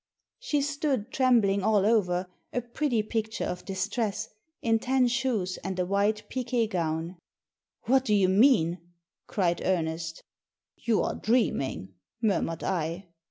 " She stood, trembling all over, a pretty picture of distress — in tan shoes and a white piqu6 gowa " What do you mean ?" cried Ernest " You are dreaming," murmured I.